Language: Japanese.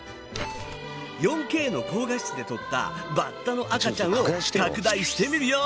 ４Ｋの高画質で撮ったバッタの赤ちゃんを拡大してみるよ！